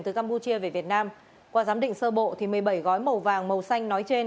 từ campuchia về việt nam qua giám định sơ bộ một mươi bảy gói màu vàng màu xanh nói trên